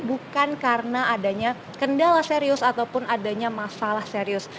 bukan karena adanya kendala serius ataupun adanya masalah serius